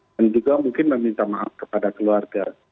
dan juga mungkin meminta maaf kepada keluarga